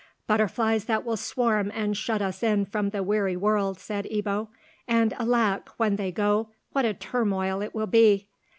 "Butterflies that will swarm and shut us in from the weary world," said Ebbo. "And alack! when they go, what a turmoil it will be!